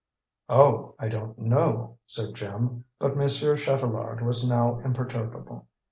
"Oh, I don't know," said Jim. But Monsieur Chatelard was now imperturbable.